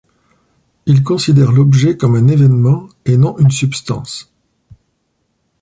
Il considère l'objet comme un événement et non une substance.